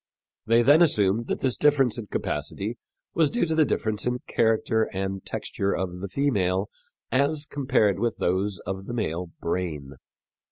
They then assumed that this difference in capacity was due to the difference in character and texture of the female as compared with those of the male brain.